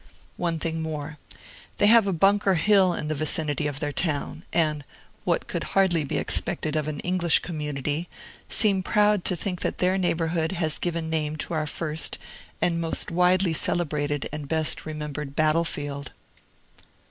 One thing more. They have a Bunker Hill in the vicinity of their town; and (what could hardly be expected of an English community) seem proud to think that their neighborhood has given name to our first and most widely celebrated and best remembered battle field.